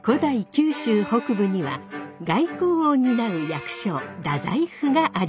九州北部には外交を担う役所太宰府がありました。